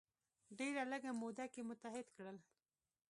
ډیره لږه موده کې متحد کړل.